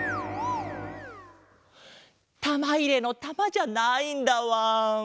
たまいれのたまじゃないんだわん。